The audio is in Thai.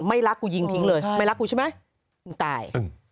รักกูยิงทิ้งเลยไม่รักกูใช่ไหมมึงตาย